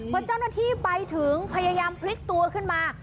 พอเจ้าหน้าที่ไปถึงพยายามพลิกตัวขึ้นมา